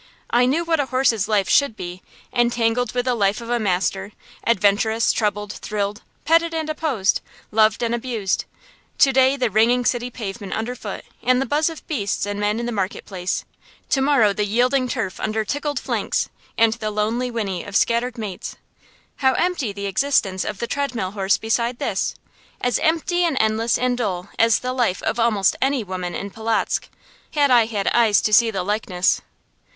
I knew what a horse's life should be, entangled with the life of a master: adventurous, troubled, thrilled; petted and opposed, loved and abused; to day the ringing city pavement underfoot, and the buzz of beasts and men in the market place; to morrow the yielding turf under tickled flanks, and the lone whinny of scattered mates. How empty the existence of the treadmill horse beside this! As empty and endless and dull as the life of almost any woman in Polotzk, had I had eyes to see the likeness.